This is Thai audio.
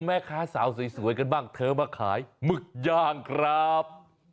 แม่ค้าสาวสวยกันบ้างเธอมาขายหมึกย่างครับ